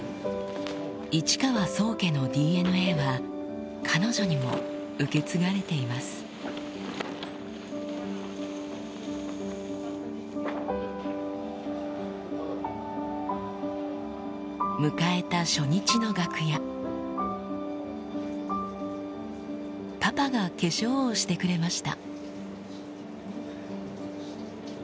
市川宗家のＤＮＡは彼女にも受け継がれています迎えた初日の楽屋パパが化粧をしてくれました